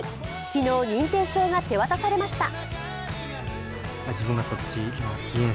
昨日、認定証が手渡されました。